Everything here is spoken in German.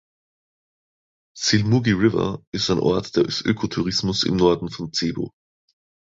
Silmugi River ist ein Ort des Ökotourismus im Norden von Cebu.